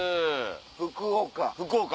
福岡。